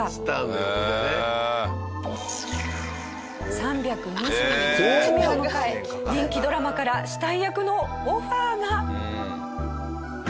３２１日目を迎え人気ドラマから死体役のオファーが！